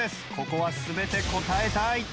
ここは全て答えたい！